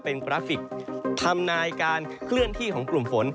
เป็นกราฟิกทำนายการเคลื่อนที่ของกลุ่มฝน